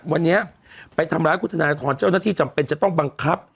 วันนี้ไปทำร้ายคุณธนทรเจ้าหน้าที่จำเป็นจะต้องบังคับ